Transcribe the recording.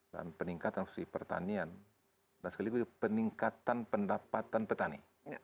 dan peningkatan fisi pertanian dan sekaligus peningkatan pendapatan petani